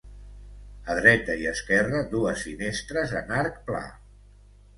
A dreta i esquerra, dues finestres en arc pla.